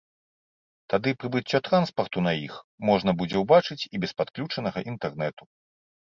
Тады прыбыццё транспарту на іх можна будзе ўбачыць і без падключанага інтэрнэту.